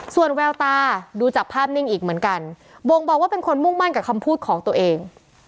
ส่วนแววตาดูจากภาพนิ่งอีกเหมือนกันบ่งบอกว่าเป็นคนมุ่งมั่นกับคำพูดของตัวเอง